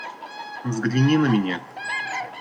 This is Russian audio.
Взгляни на меня.